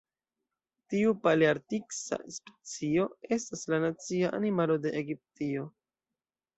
Tiu palearktisa specio estas la nacia animalo de Egiptio.